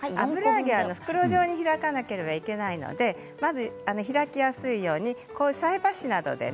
袋状に開かなければいけないので開きやすいように菜箸などでね